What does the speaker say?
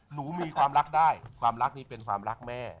มีความรักได้ความรักนี้เป็นความรักแม่